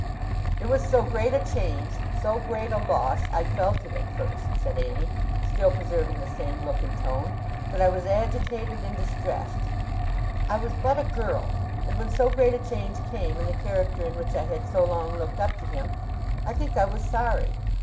'It was so great a change: so great a loss, I felt it, at first,' said Annie, still preserving the same look and tone, 'that I was agitated and distressed. I was but a girl; and when so great a change came in the character in which I had so long looked up to him, I think I was sorry.